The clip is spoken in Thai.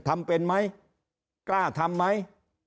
ทำเป็นไหมกล้าทำไหม